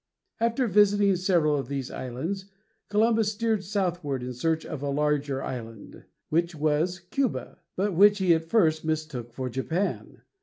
After visiting several of these islands, Columbus steered southward in search of a larger island, which was Cuba, but which he at first mistook for Japan.